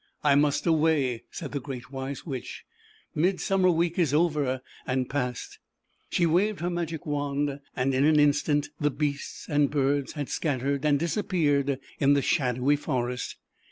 "I must away," said the Great Wise Witch. "Midsummer Week is over and past." She waved her Magic Wand and in an instant the beasts and birds had scattered and disappeared in the shadowy forest.